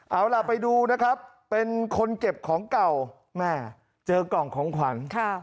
เอาล่ะไปดูนะครับเป็นคนเก็บของเก่าแม่เจอกล่องของขวัญ